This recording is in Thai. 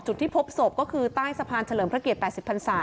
จุดที่พบศพก็คือใต้สะพานเฉลิมพระเกียรติ๘๐พันศา